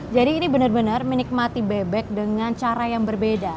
jadi ini benar benar menikmati bebek dengan cara yang berbeda